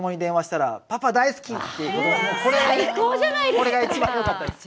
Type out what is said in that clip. これが一番よかったです。